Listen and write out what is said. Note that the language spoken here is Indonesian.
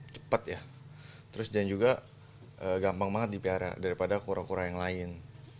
cepat ya terus dan juga gampang banget dipelihara daripada kura kura yang lain